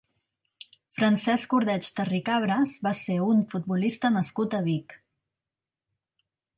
Francesc Ordeig Terricabres va ser un futbolista nascut a Vic.